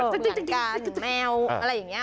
สติกาแมวอะไรอย่างนี้